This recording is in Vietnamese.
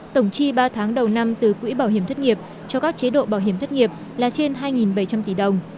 tổng chi ba tháng đầu năm từ quỹ bảo hiểm thất nghiệp cho các chế độ bảo hiểm thất nghiệp là trên hai bảy trăm linh tỷ đồng